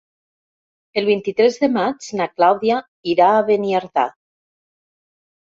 El vint-i-tres de maig na Clàudia irà a Beniardà.